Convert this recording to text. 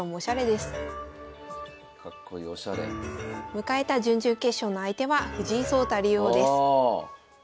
迎えた準々決勝の相手は藤井聡太竜王です。